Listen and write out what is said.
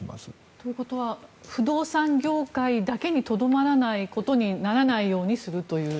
ということは不動産業界だけにとどまらないことにならないようにするという？